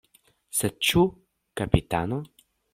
Sed ĉu kapitano?